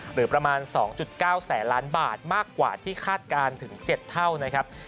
หรือประมาณ๒๙แสนล้านบาทมากกว่าที่คาดการณ์ถึง๗เท่านะครับ